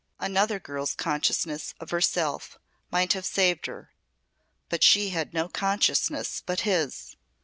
Another girl's consciousness of herself might have saved her, but she had no consciousness but his.